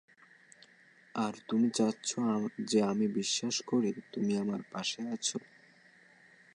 আর তুমি চাচ্ছ যে আমি বিশ্বাস করি, তুমি আমার পাশে আছ?